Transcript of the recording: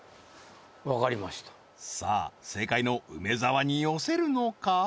わかりましたさあ正解の梅沢に寄せるのか？